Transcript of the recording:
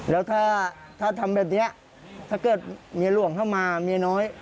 แล้วถ้าทำแบบนี้ถ้าเกิดเมียหลวงเข้ามาเมียน้อย